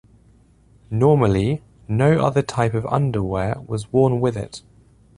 Normally, no other type of underwear was worn with it.